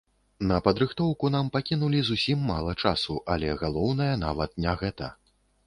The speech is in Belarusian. На падрыхтоўку нам пакінулі зусім мала часу, але галоўнае нават не гэта.